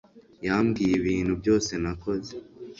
yambwiye ibintu byose nakoze